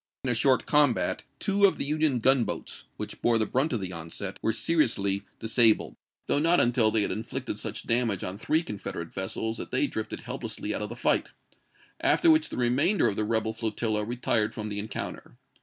In a short combat two of the Union gunboats, which bore the brunt of the onset, were seriously disabled, though not until they had inflicted such damage on three Confederate vessels that they drifted help lessly out of the fight ; after which the remainder of the rebel flotilla retired from the encounter.